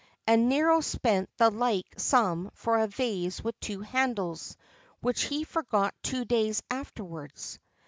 and Nero spent the like sum for a vase with two handles, which he forgot two days afterwards.